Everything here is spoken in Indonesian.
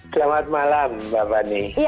selamat malam mbak bani